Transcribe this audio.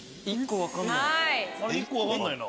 １個分かんないな。